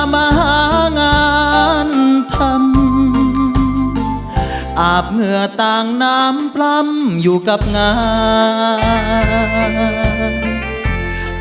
มาหางานทำอาบเหงื่อต่างน้ำปล้ำอยู่กับงาน